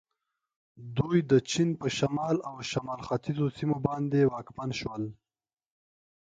دوی د چین په شمال او شمال ختیځو سیمو باندې واکمن شول.